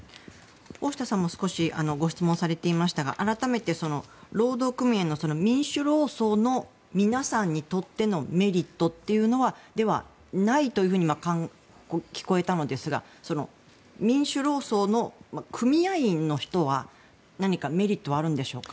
大下さんも少しご質問されていましたが改めて、労働組合の民主労総の皆さんにとってのメリットというのはないというふうに聞こえたのですが民主労総の組合員の人は何かメリットはあるんでしょうか。